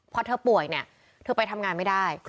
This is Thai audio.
พอเธอป่วยเนี่ยเธอไปทำงานไม่ได้